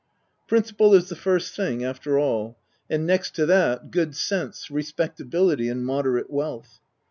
Principle is the first thing, after all ; and next to that, good sense, respectability, and moderate wealth.